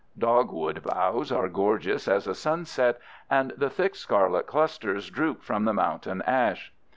Dogwood boughs are gorgeous as a sunset, and the thick scarlet clusters droop from the mountain ash.